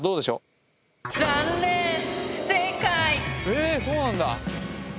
えそうなんだ。